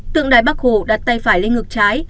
tượng đài bác hồ đặt tay phải lên ngược trái